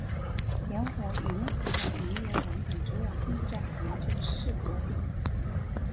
联合银行的营业网点主要分布在杭州市各地。